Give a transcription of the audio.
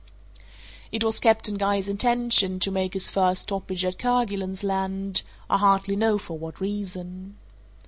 It was Captain Guy's intention to make his first stoppage at Kerguelen's Land—I hardly know for what reason.